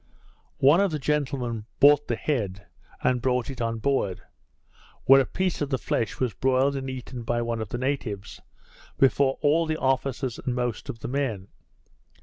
One of the gentlemen bought the head, and brought it on board, where a piece of the flesh was broiled and eaten by one of the natives, before all the officers and most of the men.